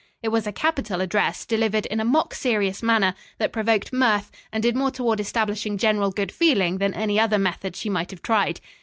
It was a capital address, delivered in a mock serious manner that provoked mirth, and did more toward establishing general good feeling than any other method she might have tried.